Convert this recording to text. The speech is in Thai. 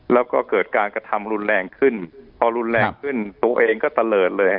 แล้วก็เกิดการกระทำรุนแรงขึ้นพอรุนแรงขึ้นตัวเองก็ตะเลิศเลย